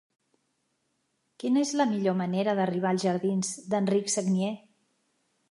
Quina és la millor manera d'arribar als jardins d'Enric Sagnier?